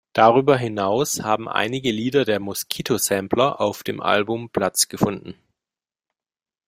Darüber hinaus haben einige Lieder der "Moskito"-Sampler auf dem Album Platz gefunden.